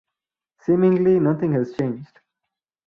Seemingly, nothing has changed.